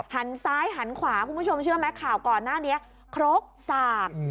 หันซ้ายหันขวาคุณผู้ชมเชื่อไหมข่าวก่อนหน้านี้ครกสาก